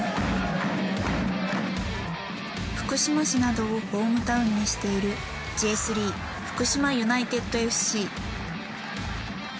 福島市などをホームタウンにしているＪ３福島ユナイテッドＦＣ。